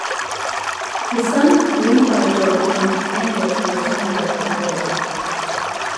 His son Link Byfield was once a candidate to be a Senator for Alberta.